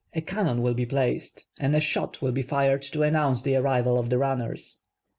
S5 a cannon will be placed and a shot will be fired to announce the arrival of the runners.